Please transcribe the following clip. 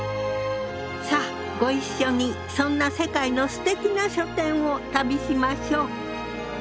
さあご一緒にそんな世界のすてきな書店を旅しましょう。